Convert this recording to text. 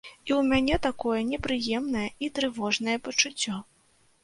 І ў мяне такое непрыемнае і трывожнае пачуццё.